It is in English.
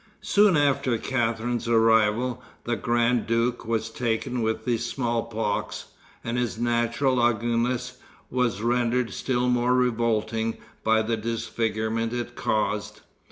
Soon after Catharine's arrival, the grand duke was taken with the small pox, and his natural ugliness was rendered still more revolting by the disfigurement it caused.